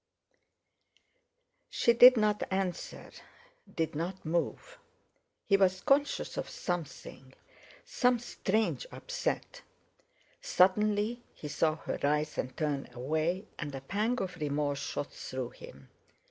'" She did not answer; did not move. He was conscious of something—some strange upset. Suddenly he saw her rise and turn away, and a pang of remorse shot through him.